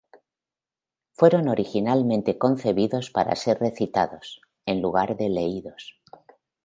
Fueron originalmente concebidos para ser recitados, en lugar de leídos.